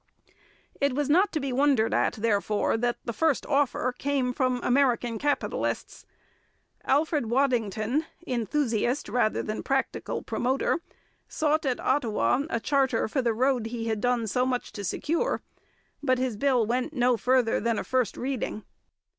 It was not to be wondered at, therefore, that the first offer came from American capitalists. Alfred Waddington, enthusiast rather than practical promoter, sought at Ottawa a charter for the road he had done so much to secure, but his bill went no further than a first reading.